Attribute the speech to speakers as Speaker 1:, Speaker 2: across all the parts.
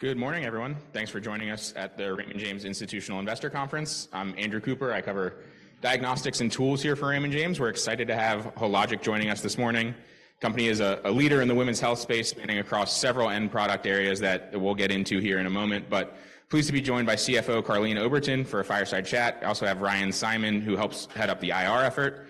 Speaker 1: Good morning, everyone. Thanks for joining us at the Raymond James Institutional Investor Conference. I'm Andrew Cooper. I cover diagnostics and tools here for Raymond James. We're excited to have Hologic joining us this morning. The company is a leader in the women's health space spanning across several end product areas that we'll get into here in a moment. Pleased to be joined by CFO Karleen Oberton for a fireside chat. I also have Ryan Simon, who helps head up the IR effort.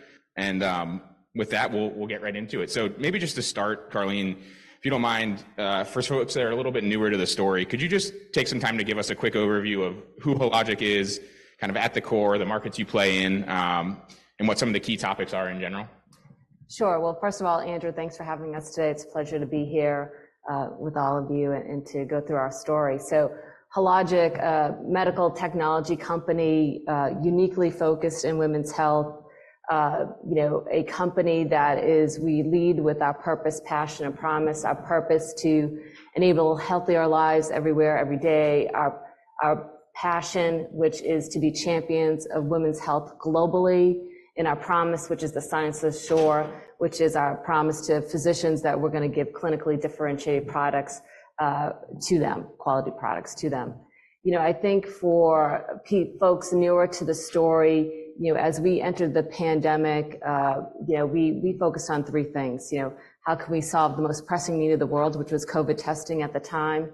Speaker 1: With that, we'll get right into it. Maybe just to start, Karleen, if you don't mind, for folks that are a little bit newer to the story, could you just take some time to give us a quick overview of who Hologic is, kind of at the core, the markets you play in, and what some of the key topics are in general?
Speaker 2: Sure. Well, first of all, Andrew, thanks for having us today. It's a pleasure to be here with all of you and to go through our story. So Hologic, a medical technology company uniquely focused on women's health, a company that we lead with our purpose, passion, and promise, our purpose to enable healthier lives everywhere, every day, our passion, which is to be champions of women's health globally, and our promise, which is the Science of Sure, which is our promise to physicians that we're going to give clinically differentiated products to them, quality products to them. I think for folks newer to the story, as we entered the pandemic, we focused on three things: how can we solve the most pressing need of the world, which was COVID testing at the time;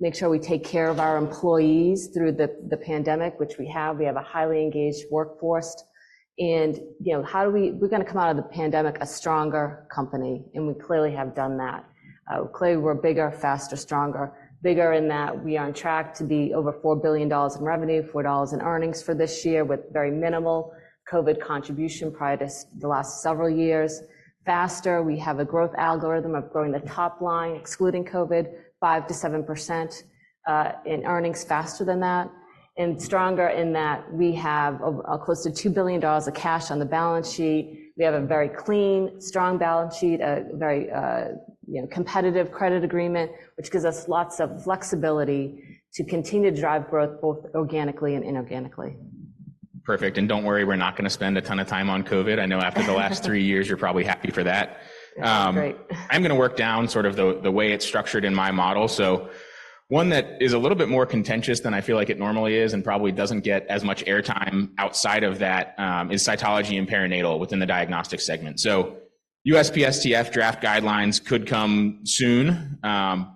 Speaker 2: make sure we take care of our employees through the pandemic, which we have. We have a highly engaged workforce. And how are we going to come out of the pandemic a stronger company? And we clearly have done that. Clearly, we're bigger, faster, stronger. Bigger in that we are on track to be over $4 billion in revenue, $4 in earnings for this year with very minimal COVID contribution prior to the last several years. Faster, we have a growth algorithm of growing the top line, excluding COVID, 5%-7% in earnings faster than that. And stronger in that we have close to $2 billion of cash on the balance sheet. We have a very clean, strong balance sheet, a very competitive credit agreement, which gives us lots of flexibility to continue to drive growth both organically and inorganically.
Speaker 1: Perfect. And don't worry, we're not going to spend a ton of time on COVID. I know after the last three years you're probably happy for that. I'm going to work down sort of the way it's structured in my model. So one that is a little bit more contentious than I feel like it normally is and probably doesn't get as much airtime outside of that is cytology and perinatal within the diagnostic segment. So USPSTF draft guidelines could come soon.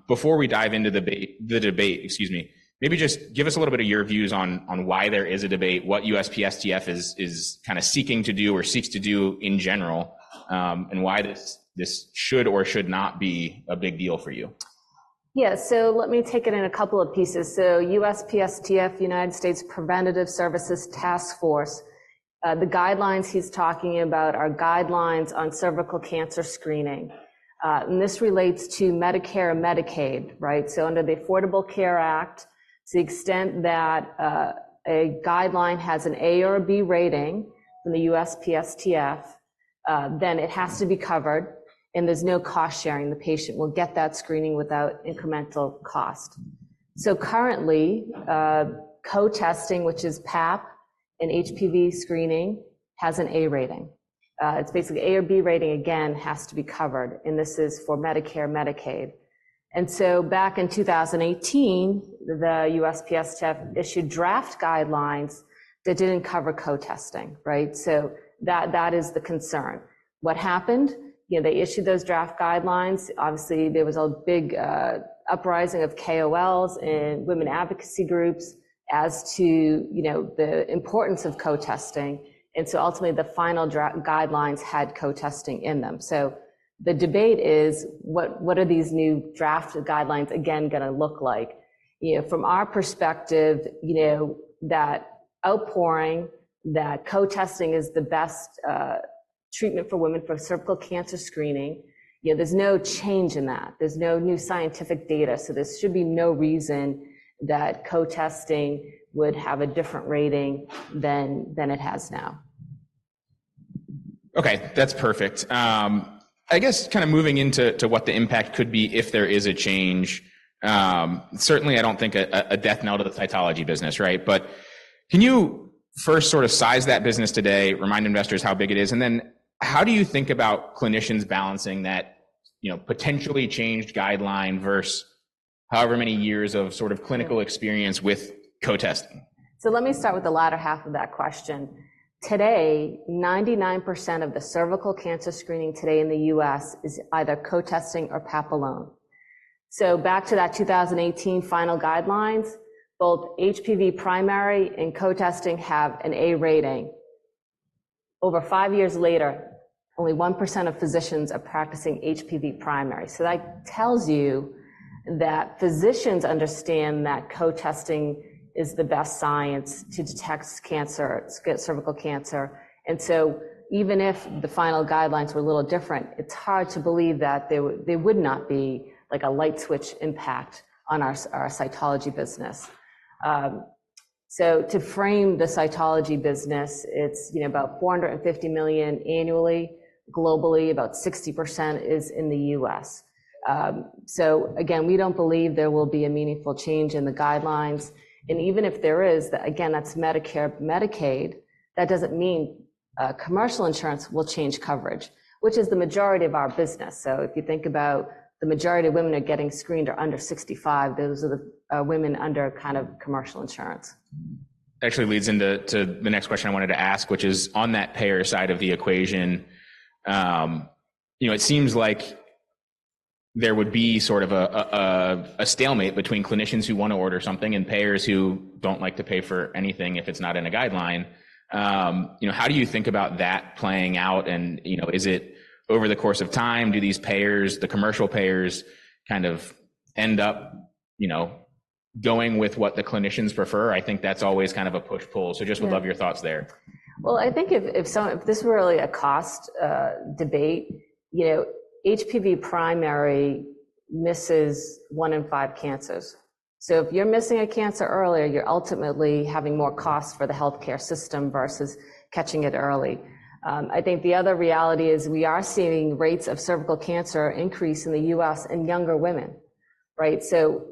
Speaker 1: Before we dive into the debate, excuse me, maybe just give us a little bit of your views on why there is a debate, what USPSTF is kind of seeking to do or seeks to do in general, and why this should or should not be a big deal for you.
Speaker 2: Yeah. So let me take it in a couple of pieces. So USPSTF, United States Preventive Services Task Force, the guidelines he's talking about are guidelines on cervical cancer screening. And this relates to Medicare and Medicaid, right? So under the Affordable Care Act, to the extent that a guideline has an A or a B rating from the USPSTF, then it has to be covered, and there's no cost sharing. The patient will get that screening without incremental cost. So currently, co-testing, which is Pap and HPV screening, has an A rating. It's basically A or B rating. Again, it has to be covered, and this is for Medicare and Medicaid. And so back in 2018, the USPSTF issued draft guidelines that didn't cover co-testing, right? So that is the concern. What happened? They issued those draft guidelines. Obviously, there was a big uprising of KOLs and women advocacy groups as to the importance of co-testing. And so ultimately, the final guidelines had co-testing in them. So the debate is, what are these new draft guidelines, again, going to look like? From our perspective, that outpouring, that co-testing is the best treatment for women for cervical cancer screening, there's no change in that. There's no new scientific data. So there should be no reason that co-testing would have a different rating than it has now.
Speaker 1: Okay, that's perfect. I guess kind of moving into what the impact could be if there is a change. Certainly, I don't think a death knell of the cytology business, right? But can you first sort of size that business today, remind investors how big it is, and then how do you think about clinicians balancing that potentially changed guideline versus however many years of sort of clinical experience with co-testing?
Speaker 2: So let me start with the latter half of that question. Today, 99% of the cervical cancer screening today in the U.S. is either co-testing or Pap alone. So back to that 2018 final guidelines, both HPV primary and co-testing have an A rating. Over five years later, only 1% of physicians are practicing HPV primary. So that tells you that physicians understand that co-testing is the best science to detect cancer, cervical cancer. And so even if the final guidelines were a little different, it's hard to believe that they would not be like a light switch impact on our cytology business. So to frame the cytology business, it's about $450 million annually. Globally, about 60% is in the U.S. So again, we don't believe there will be a meaningful change in the guidelines. And even if there is, again, that's Medicare and Medicaid. That doesn't mean commercial insurance will change coverage, which is the majority of our business. So if you think about the majority of women who are getting screened are under 65. Those are the women under kind of commercial insurance.
Speaker 1: That actually leads into the next question I wanted to ask, which is, on that payer side of the equation, it seems like there would be sort of a stalemate between clinicians who want to order something and payers who don't like to pay for anything if it's not in a guideline. How do you think about that playing out? And is it over the course of time, do these payers, the commercial payers, kind of end up going with what the clinicians prefer? I think that's always kind of a push-pull. So just would love your thoughts there.
Speaker 2: Well, I think if this were really a cost debate, HPV primary misses one in five cancers. So if you're missing a cancer earlier, you're ultimately having more costs for the healthcare system versus catching it early. I think the other reality is we are seeing rates of cervical cancer increase in the U.S. in younger women, right? So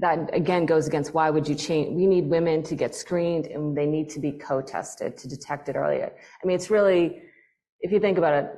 Speaker 2: that, again, goes against why would you change? We need women to get screened, and they need to be co-tested to detect it earlier. I mean, it's really, if you think about it,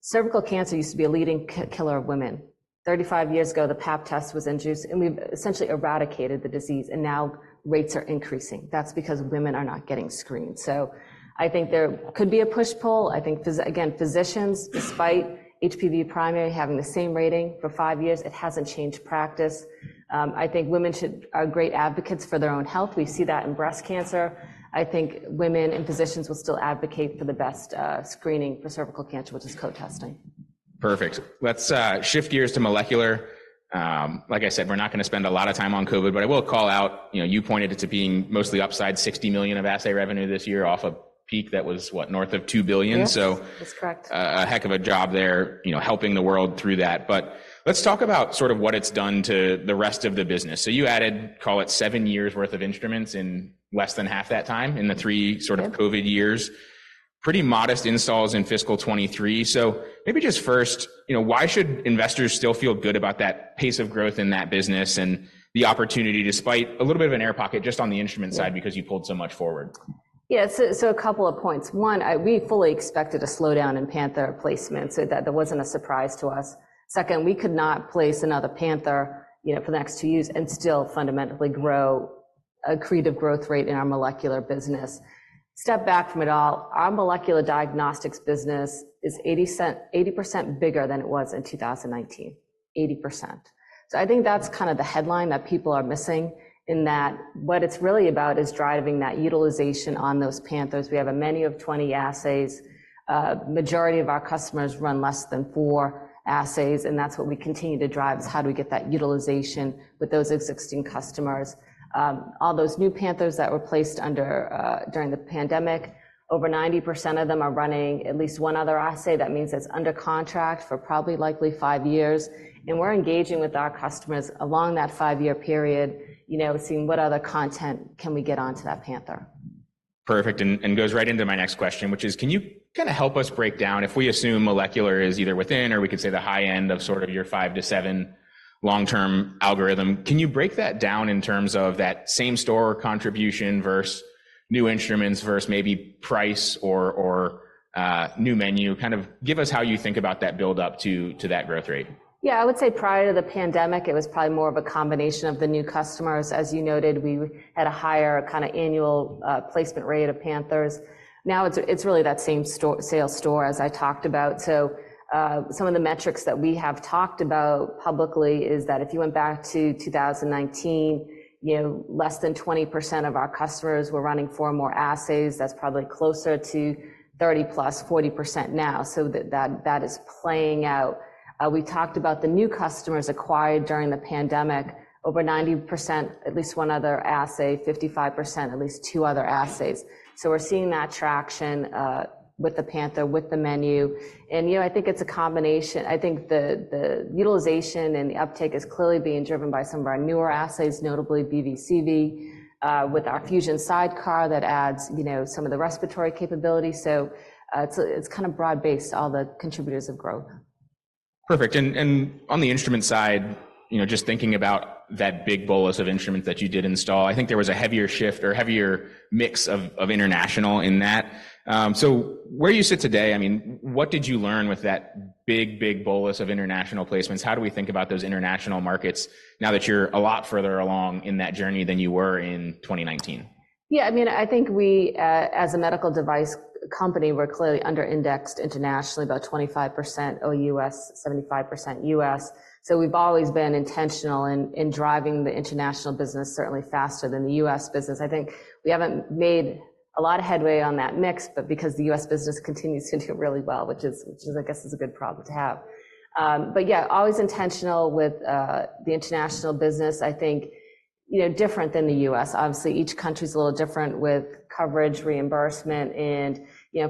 Speaker 2: cervical cancer used to be a leading killer of women. 35 years ago, the Pap test was induced, and we've essentially eradicated the disease. And now rates are increasing. That's because women are not getting screened. So I think there could be a push-pull. I think, again, physicians, despite HPV primary having the same rating for five years, it hasn't changed practice. I think women are great advocates for their own health. We see that in breast cancer. I think women and physicians will still advocate for the best screening for cervical cancer, which is co-testing.
Speaker 1: Perfect. Let's shift gears to molecular. Like I said, we're not going to spend a lot of time on COVID, but I will call out you pointed it to being mostly upside $60 million of assay revenue this year off a peak that was, what, north of $2 billion. So a heck of a job there helping the world through that. But let's talk about sort of what it's done to the rest of the business. So you added, call it, 7 years' worth of instruments in less than half that time, in the 3 sort of COVID years, pretty modest installs in fiscal 2023. So maybe just first, why should investors still feel good about that pace of growth in that business and the opportunity, despite a little bit of an air pocket just on the instrument side because you pulled so much forward?
Speaker 2: Yeah. So a couple of points. One, we fully expected a slowdown in Panther placements, so that wasn't a surprise to us. Second, we could not place another Panther for the next 2 years and still fundamentally grow a CAGR in our molecular business. Step back from it all. Our molecular diagnostics business is 80% bigger than it was in 2019, 80%. So I think that's kind of the headline that people are missing in that what it's really about is driving that utilization on those Panthers. We have a menu of 20 assays. The majority of our customers run less than four assays. And that's what we continue to drive is, how do we get that utilization with those existing customers? All those new Panthers that were placed during the pandemic, over 90% of them are running at least one other assay. That means it's under contract for probably likely five years. We're engaging with our customers along that 5-year period, seeing what other content can we get onto that Panther?
Speaker 1: Perfect. And goes right into my next question, which is, can you kind of help us break down if we assume molecular is either within or, we could say, the high end of sort of your 5-7 long-term algorithm, can you break that down in terms of that same store contribution versus new instruments versus maybe price or new menu? Kind of give us how you think about that buildup to that growth rate?
Speaker 2: Yeah, I would say prior to the pandemic, it was probably more of a combination of the new customers. As you noted, we had a higher kind of annual placement rate of Panthers. Now it's really that same sales store, as I talked about. So some of the metrics that we have talked about publicly is that if you went back to 2019, less than 20% of our customers were running 4 or more assays. That's probably closer to 30+, 40% now. So that is playing out. We talked about the new customers acquired during the pandemic, over 90%, at least one other assay, 55%, at least two other assays. So we're seeing that traction with the Panther, with the menu. And I think it's a combination. I think the utilization and the uptake is clearly being driven by some of our newer assays, notably BV/CV, with our fusion sidecar that adds some of the respiratory capability. So it's kind of broad-based, all the contributors of growth.
Speaker 1: Perfect. On the instrument side, just thinking about that big bolus of instruments that you did install, I think there was a heavier shift or heavier mix of international in that. Where you sit today, I mean, what did you learn with that big, big bolus of international placements? How do we think about those international markets now that you're a lot further along in that journey than you were in 2019?
Speaker 2: Yeah, I mean, I think we, as a medical device company, were clearly underindexed internationally, about 25% OUS, 75% US. So we've always been intentional in driving the international business, certainly faster than the US business. I think we haven't made a lot of headway on that mix, but because the US business continues to do really well, which is, I guess, a good problem to have. But yeah, always intentional with the international business, I think, different than the US. Obviously, each country is a little different with coverage, reimbursement.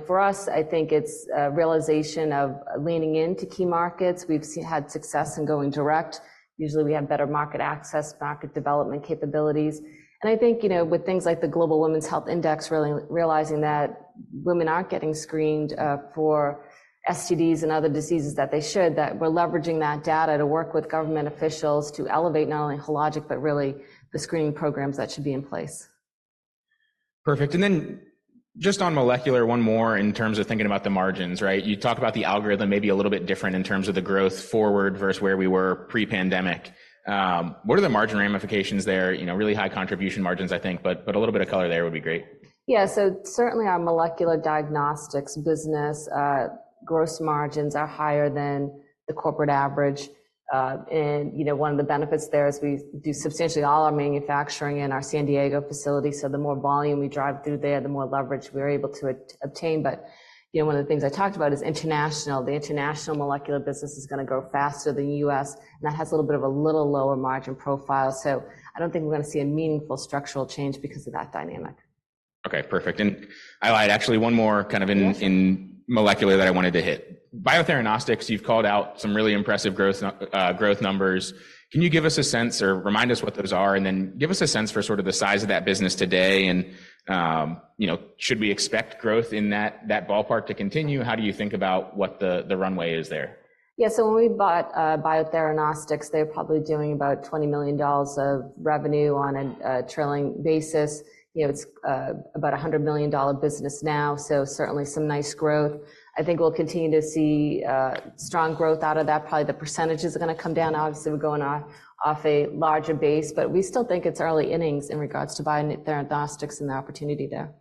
Speaker 2: For us, I think it's a realization of leaning into key markets. We've had success in going direct. Usually, we have better market access, market development capabilities. I think with things like the Global Women's Health Index, really realizing that women aren't getting screened for STDs and other diseases that they should, that we're leveraging that data to work with government officials to elevate not only Hologic, but really the screening programs that should be in place.
Speaker 1: Perfect. And then just on molecular, one more in terms of thinking about the margins, right? You talk about the algorithm, maybe a little bit different in terms of the growth forward versus where we were pre-pandemic. What are the margin ramifications there? Really high contribution margins, I think, but a little bit of color there would be great.
Speaker 2: Yeah. So certainly, our molecular diagnostics business, gross margins are higher than the corporate average. And one of the benefits there is we do substantially all our manufacturing in our San Diego facility. So the more volume we drive through there, the more leverage we are able to obtain. But one of the things I talked about is international. The international molecular business is going to grow faster than the US, and that has a little bit of a little lower margin profile. So I don't think we're going to see a meaningful structural change because of that dynamic.
Speaker 1: Okay, perfect. And I lied, actually, one more kind of in molecular that I wanted to hit. Biotheranostics, you've called out some really impressive growth numbers. Can you give us a sense or remind us what those are, and then give us a sense for sort of the size of that business today? And should we expect growth in that ballpark to continue? How do you think about what the runway is there?
Speaker 2: Yeah. So when we bought Biotheranostics, they were probably doing about $20 million of revenue on a trailing basis. It's about a $100 million business now, so certainly some nice growth. I think we'll continue to see strong growth out of that. Probably the percentage is going to come down. Obviously, we're going off a larger base, but we still think it's early innings in regards to Biotheranostics and the opportunity there.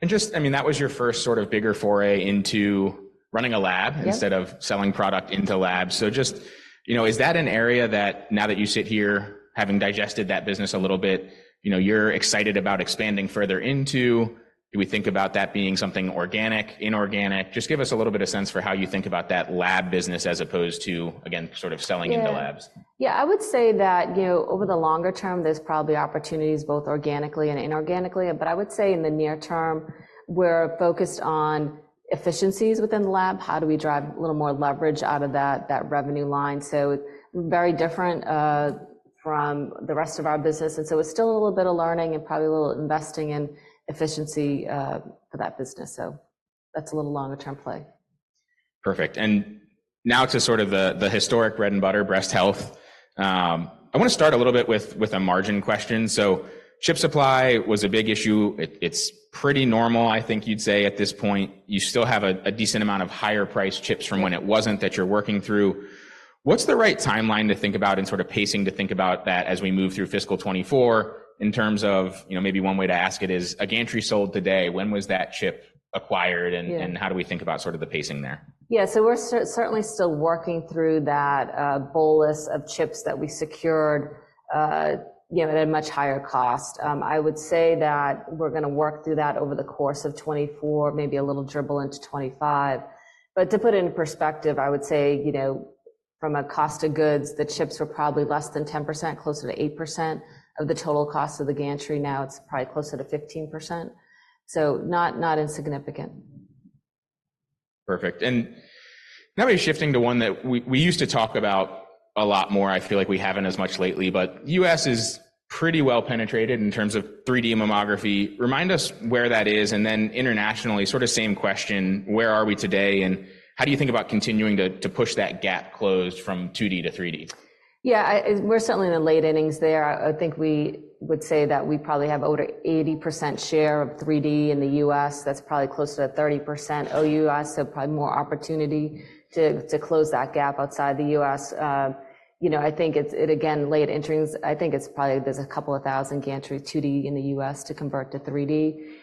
Speaker 1: And just, I mean, that was your first sort of bigger foray into running a lab instead of selling product into labs. So just, is that an area that now that you sit here, having digested that business a little bit, you're excited about expanding further into? Do we think about that being something organic, inorganic? Just give us a little bit of sense for how you think about that lab business as opposed to, again, sort of selling into labs.
Speaker 2: Yeah, I would say that over the longer term, there's probably opportunities both organically and inorganically. But I would say in the near term, we're focused on efficiencies within the lab. How do we drive a little more leverage out of that revenue line? So very different from the rest of our business. And so it's still a little bit of learning and probably a little investing in efficiency for that business. So that's a little longer-term play.
Speaker 1: Perfect. Now to sort of the historic bread and butter, breast health, I want to start a little bit with a margin question. So chip supply was a big issue. It's pretty normal, I think you'd say, at this point. You still have a decent amount of higher-priced chips from when it wasn't that you're working through. What's the right timeline to think about and sort of pacing to think about that as we move through fiscal 2024 in terms of maybe one way to ask it is, a gantry sold today, when was that chip acquired? And how do we think about sort of the pacing there?
Speaker 2: Yeah. So we're certainly still working through that bolus of chips that we secured at a much higher cost. I would say that we're going to work through that over the course of 2024, maybe a little dribble into 2025. But to put it in perspective, I would say, from a cost of goods, the chips were probably less than 10%, closer to 8% of the total cost of the gantry. Now it's probably closer to 15%, so not insignificant.
Speaker 1: Perfect. And now maybe shifting to one that we used to talk about a lot more. I feel like we haven't as much lately, but the U.S. is pretty well penetrated in terms of 3D Mammography. Remind us where that is. And then internationally, sort of same question, where are we today? And how do you think about continuing to push that gap closed from 2D to 3D?
Speaker 2: Yeah, we're certainly in the late innings there. I think we would say that we probably have over 80% share of 3D in the US. That's probably closer to 30% OUS, so probably more opportunity to close that gap outside the US. I think it's, again, late innings. I think it's probably there's 2,000 gantry 2D in the US to convert to 3D.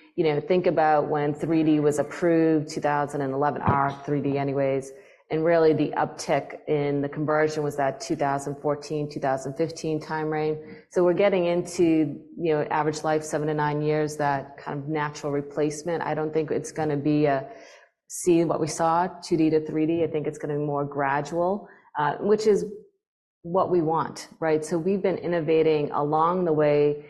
Speaker 2: Think about when 3D was approved, 2011, our 3D anyways. And really, the uptick in the conversion was that 2014, 2015 time frame. So we're getting into average life, 7-9 years, that kind of natural replacement. I don't think it's going to be seeing what we saw, 2D to 3D. I think it's going to be more gradual, which is what we want, right? So we've been innovating along the way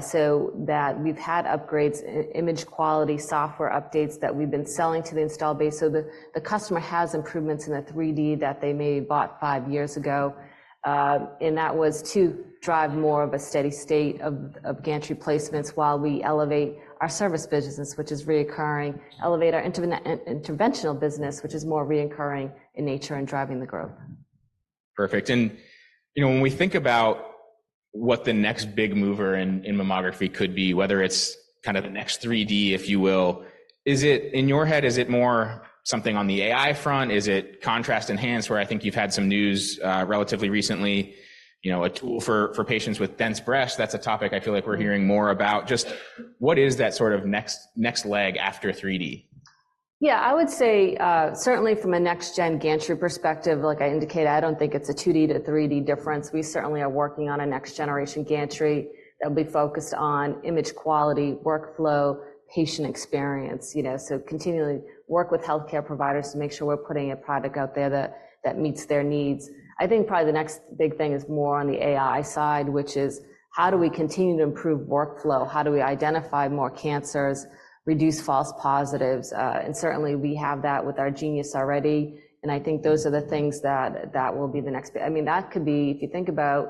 Speaker 2: so that we've had upgrades, image quality, software updates that we've been selling to the installed base. So the customer has improvements in the 3D that they maybe bought five years ago. And that was to drive more of a steady state of gantry placements while we elevate our service business, which is recurring, elevate our interventional business, which is more recurring in nature and driving the growth.
Speaker 1: Perfect. And when we think about what the next big mover in mammography could be, whether it's kind of the next 3D, if you will, in your head, is it more something on the AI front? Is it contrast enhanced, where I think you've had some news relatively recently, a tool for patients with dense breasts? That's a topic I feel like we're hearing more about. Just what is that sort of next leg after 3D?
Speaker 2: Yeah, I would say, certainly from a next-gen gantry perspective, like I indicated, I don't think it's a 2D to 3D difference. We certainly are working on a next-generation gantry that will be focused on image quality, workflow, patient experience. So continually work with healthcare providers to make sure we're putting a product out there that meets their needs. I think probably the next big thing is more on the AI side, which is, how do we continue to improve workflow? How do we identify more cancers, reduce false positives? And certainly, we have that with our Genius already. And I think those are the things that will be the next bit. I mean, that could be, if you think about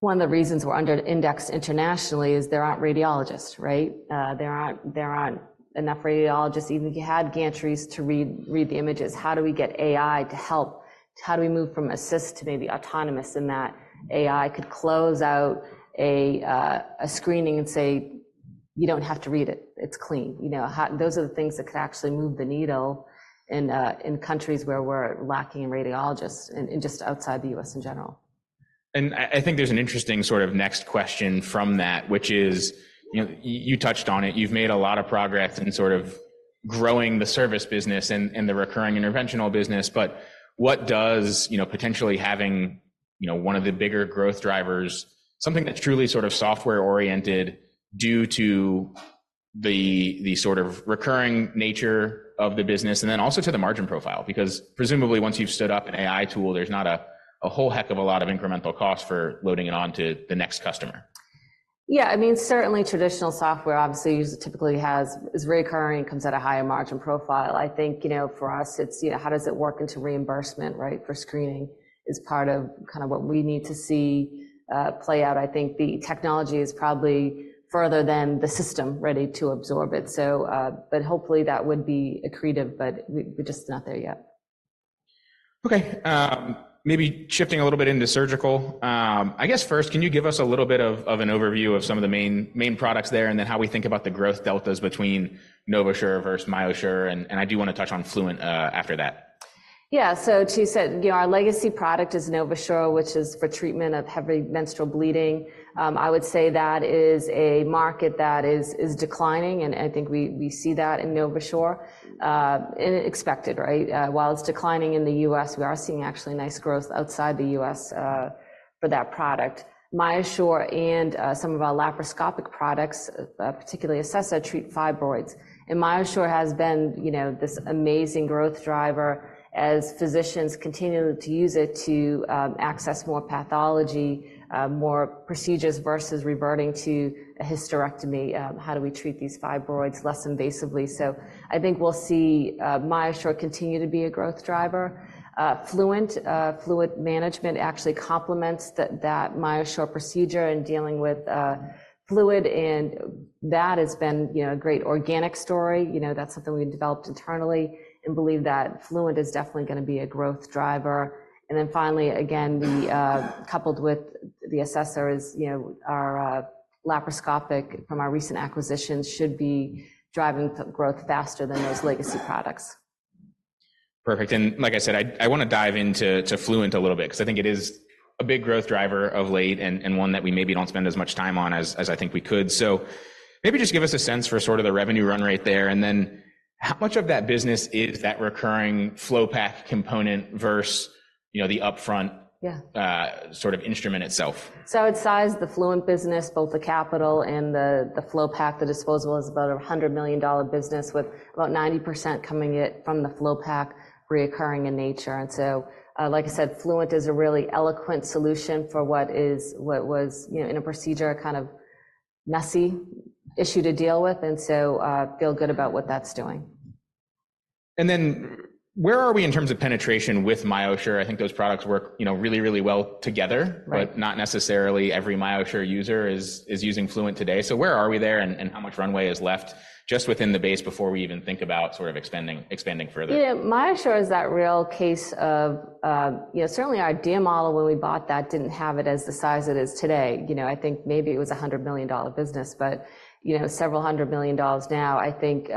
Speaker 2: one of the reasons we're underindexed internationally, is there aren't radiologists, right? There aren't enough radiologists, even if you had gantries, to read the images. How do we get AI to help? How do we move from assist to maybe autonomous in that AI could close out a screening and say, "You don't have to read it. It's clean." Those are the things that could actually move the needle in countries where we're lacking in radiologists and just outside the U.S. in general.
Speaker 1: I think there's an interesting sort of next question from that, which is, you touched on it. You've made a lot of progress in sort of growing the service business and the recurring interventional business. But what does potentially having one of the bigger growth drivers, something that's truly sort of software-oriented due to the sort of recurring nature of the business, and then also to the margin profile? Because presumably, once you've stood up an AI tool, there's not a whole heck of a lot of incremental cost for loading it onto the next customer.
Speaker 2: Yeah, I mean, certainly, traditional software, obviously, typically is recurring and comes at a higher margin profile. I think for us, it's, how does it work into reimbursement, right, for screening is part of kind of what we need to see play out. I think the technology is probably further than the system ready to absorb it. But hopefully, that would be accretive, but we're just not there yet.
Speaker 1: Okay. Maybe shifting a little bit into surgical, I guess first, can you give us a little bit of an overview of some of the main products there and then how we think about the growth deltas between NovaSure versus MyoSure? And I do want to touch on Fluent after that.
Speaker 2: Yeah. So she said our legacy product is NovaSure, which is for treatment of heavy menstrual bleeding. I would say that is a market that is declining, and I think we see that in NovaSure and expected, right? While it's declining in the US, we are seeing actually nice growth outside the US for that product. MyoSure and some of our laparoscopic products, particularly Acessa, treat fibroids. And MyoSure has been this amazing growth driver as physicians continue to use it to access more pathology, more procedures versus reverting to a hysterectomy. How do we treat these fibroids less invasively? So I think we'll see MyoSure continue to be a growth driver. Fluent management actually complements that MyoSure procedure in dealing with fluid, and that has been a great organic story. That's something we developed internally and believe that Fluent is definitely going to be a growth driver. Then finally, again, coupled with the Acessa, our laparoscopic from our recent acquisitions should be driving growth faster than those legacy products.
Speaker 1: Perfect. And like I said, I want to dive into Fluent a little bit because I think it is a big growth driver of late and one that we maybe don't spend as much time on as I think we could. So maybe just give us a sense for sort of the revenue run rate there. And then how much of that business is that recurring FloPak component versus the upfront sort of instrument itself?
Speaker 2: So outside the Fluent business, both the capital and the FloPak, the disposable is about a $100 million business with about 90% coming from the FloPak, recurring in nature. And so, like I said, Fluent is a really eloquent solution for what was in a procedure, kind of messy issue to deal with, and so feel good about what that's doing.
Speaker 1: Then where are we in terms of penetration with MyoSure? I think those products work really, really well together, but not necessarily every MyoSure user is using Fluent today. Where are we there and how much runway is left just within the base before we even think about sort of expanding further?
Speaker 2: Yeah, MyoSure is that real case of certainly, our DML, when we bought that, didn't have it as the size it is today. I think maybe it was a $100 million business, but several hundred million now. I think,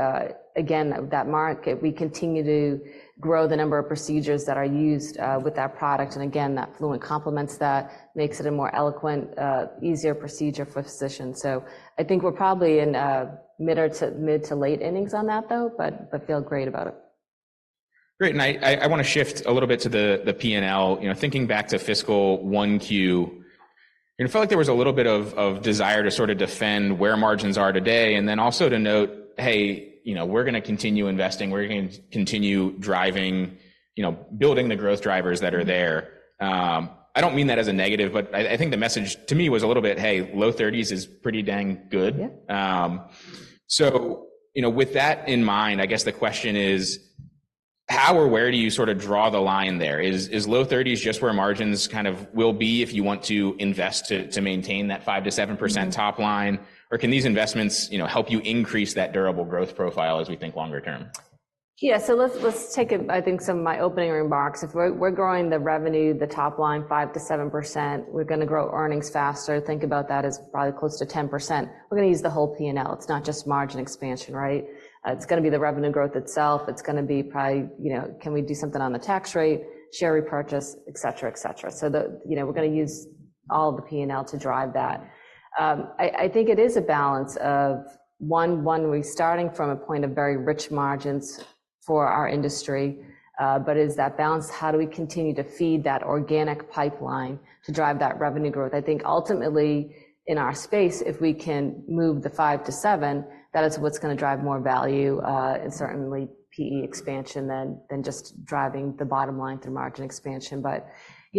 Speaker 2: again, that market, we continue to grow the number of procedures that are used with that product. And again, that Fluent complements that, makes it a more eloquent, easier procedure for physicians. So I think we're probably in mid to late innings on that, though, but feel great about it.
Speaker 1: Great. I want to shift a little bit to the P&L. Thinking back to fiscal 1Q, it felt like there was a little bit of desire to sort of defend where margins are today and then also to note, "Hey, we're going to continue investing. We're going to continue building the growth drivers that are there." I don't mean that as a negative, but I think the message to me was a little bit, "Hey, low 30s is pretty dang good." So with that in mind, I guess the question is, how or where do you sort of draw the line there? Is low 30s just where margins kind of will be if you want to invest to maintain that 5%-7% top line? Or can these investments help you increase that durable growth profile as we think longer term?
Speaker 2: Yeah. So let's take, I think, some of my opening remarks. If we're growing the revenue, the top line, 5%-7%, we're going to grow earnings faster. Think about that as probably close to 10%. We're going to use the whole P&L. It's not just margin expansion, right? It's going to be the revenue growth itself. It's going to be probably, can we do something on the tax rate, share repurchase, etc., etc.? So we're going to use all of the P&L to drive that. I think it is a balance of, one, we're starting from a point of very rich margins for our industry, but is that balance, how do we continue to feed that organic pipeline to drive that revenue growth? I think ultimately, in our space, if we can move the 5-7, that is what's going to drive more value, and certainly PE expansion than just driving the bottom line through margin expansion. But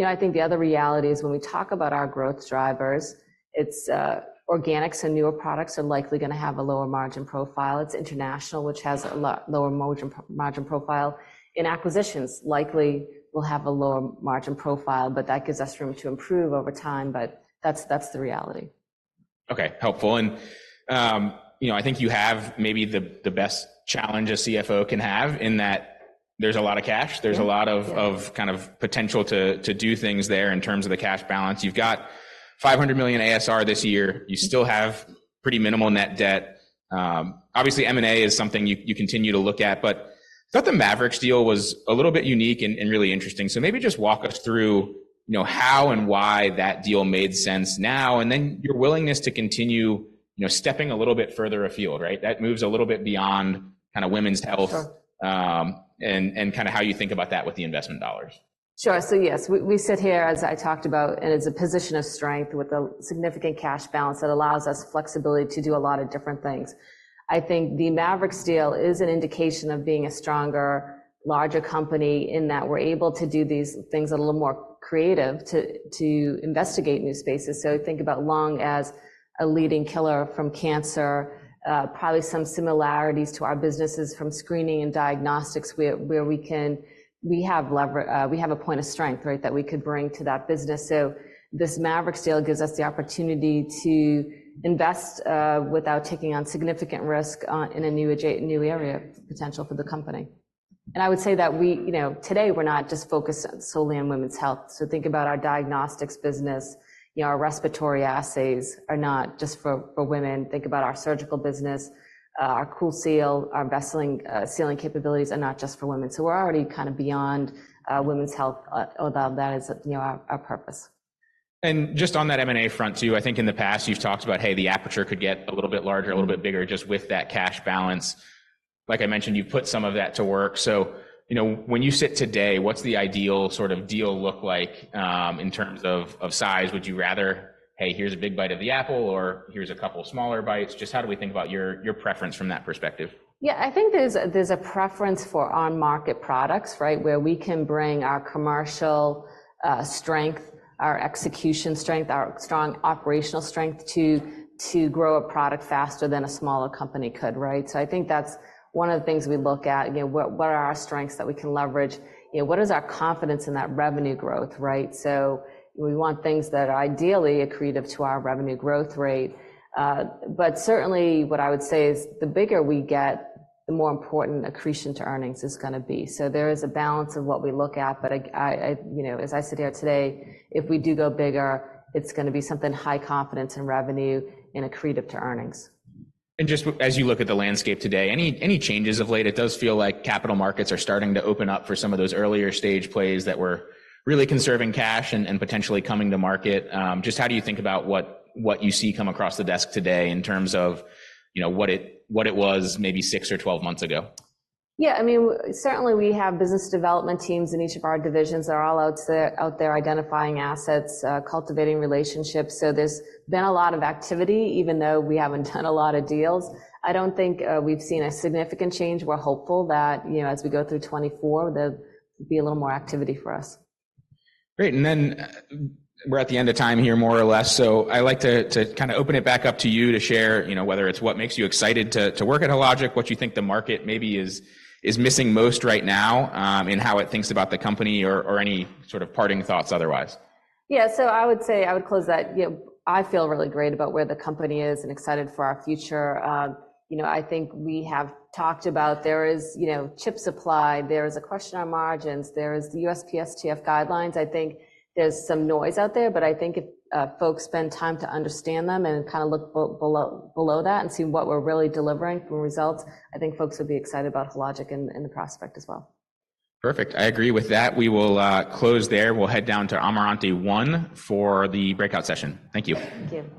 Speaker 2: I think the other reality is when we talk about our growth drivers, organics and newer products are likely going to have a lower margin profile. It's international, which has a lower margin profile. In acquisitions, likely will have a lower margin profile, but that gives us room to improve over time. But that's the reality.
Speaker 1: Okay, helpful. I think you have maybe the best challenge a CFO can have in that there's a lot of cash. There's a lot of kind of potential to do things there in terms of the cash balance. You've got $500 million ASR this year. You still have pretty minimal net debt. Obviously, M&A is something you continue to look at, but I thought the Bolder deal was a little bit unique and really interesting. So maybe just walk us through how and why that deal made sense now, and then your willingness to continue stepping a little bit further afield, right? That moves a little bit beyond kind of women's health and kind of how you think about that with the investment dollars.
Speaker 2: Sure. So yes, we sit here, as I talked about, and it's a position of strength with a significant cash balance that allows us flexibility to do a lot of different things. I think the Maverix deal is an indication of being a stronger, larger company in that we're able to do these things a little more creative to investigate new spaces. So think about lung as a leading killer from cancer, probably some similarities to our businesses from screening and diagnostics where we have a point of strength, right, that we could bring to that business. So this Maverix deal gives us the opportunity to invest without taking on significant risk in a new area, potential for the company. And I would say that today, we're not just focused solely on women's health. So think about our diagnostics business. Our respiratory assays are not just for women. Think about our surgical business. Our CoolSeal, our vessel sealing capabilities are not just for women. So we're already kind of beyond women's health, although that is our purpose.
Speaker 1: And just on that M&A front too, I think in the past, you've talked about, "Hey, the aperture could get a little bit larger, a little bit bigger just with that cash balance." Like I mentioned, you've put some of that to work. So when you sit today, what's the ideal sort of deal look like in terms of size? Would you rather, "Hey, here's a big bite of the apple," or, "Here's a couple smaller bites"? Just how do we think about your preference from that perspective?
Speaker 2: Yeah, I think there's a preference for on-market products, right, where we can bring our commercial strength, our execution strength, our strong operational strength to grow a product faster than a smaller company could, right? So I think that's one of the things we look at. What are our strengths that we can leverage? What is our confidence in that revenue growth, right? So we want things that are ideally accretive to our revenue growth rate. But certainly, what I would say is the bigger we get, the more important accretion to earnings is going to be. So there is a balance of what we look at. But as I sit here today, if we do go bigger, it's going to be something high confidence in revenue and accretive to earnings.
Speaker 1: Just as you look at the landscape today, any changes of late? It does feel like capital markets are starting to open up for some of those earlier stage plays that were really conserving cash and potentially coming to market. Just how do you think about what you see come across the desk today in terms of what it was maybe 6 or 12 months ago?
Speaker 2: Yeah, I mean, certainly, we have business development teams in each of our divisions that are all out there identifying assets, cultivating relationships. So there's been a lot of activity, even though we haven't done a lot of deals. I don't think we've seen a significant change. We're hopeful that as we go through 2024, there'll be a little more activity for us.
Speaker 1: Great. Then we're at the end of time here, more or less. I like to kind of open it back up to you to share, whether it's what makes you excited to work at Hologic, what you think the market maybe is missing most right now in how it thinks about the company or any sort of parting thoughts otherwise.
Speaker 2: Yeah. So I would say I would close that. I feel really great about where the company is and excited for our future. I think we have talked about there is chip supply. There is a question on margins. There is the USPSTF guidelines. I think there's some noise out there, but I think if folks spend time to understand them and kind of look below that and see what we're really delivering from results, I think folks would be excited about Hologic and the prospect as well.
Speaker 1: Perfect. I agree with that. We will close there. We'll head down to Amarante One for the breakout session. Thank you.
Speaker 2: Thank you.